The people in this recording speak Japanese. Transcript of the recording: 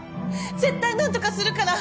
絶対何とかするから。